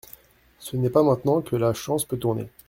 Ce n'est pas maintenant que la chance peut tourner.